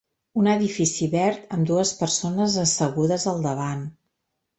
Un edifici verd amb dues persones assegudes al davant.